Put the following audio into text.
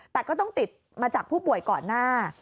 แต่ก็ต้องติดมาจากผู้ป่วยก่อนหน้า